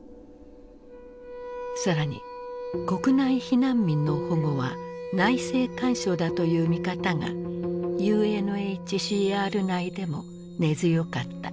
更に国内避難民の保護は内政干渉だという見方がＵＮＨＣＲ内でも根強かった。